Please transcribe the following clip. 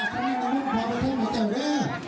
แต้ลูกมา